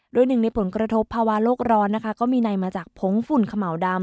โดยหนึ่งในผลกระทบภาวะโลกร้อนนะคะก็มีในมาจากผงฝุ่นขม่าวดำ